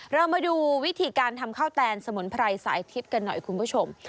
เรามาดูวิธีการทำข้าวแตนสมนตรายไซส์ทิปกันหน่อยคุณผู้ชม